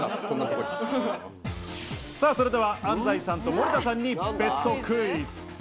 それでは安斉さんと森田さんに別荘クイズ！